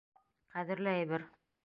Ҡәҙерле әйбер.